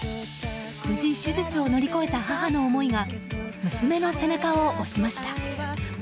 無事、手術を乗り越えた母の思いが娘の背中を押しました。